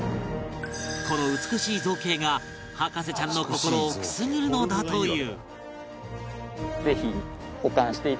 この美しい造形が博士ちゃんの心をくすぐるのだという